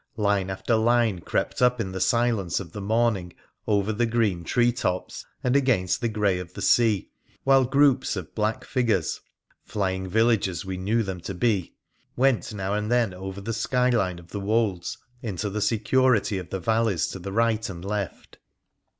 Line after line crept up in the silence of the morning over the green tree tops and against the grey of the sea, while groups of black figures (flying villagers we knew them to be) went now and then over the sky line of the wolds into the security of the valleys to right and left.